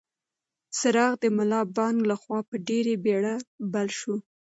څراغ د ملا بانګ لخوا په ډېرې بېړه بل شو.